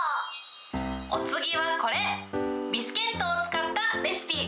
お次はこれ、ビスケットを使ったレシピ。